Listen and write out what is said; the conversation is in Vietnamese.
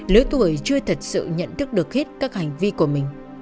lứa tuổi chưa thật sự nhận thức được hết các hành vi của mình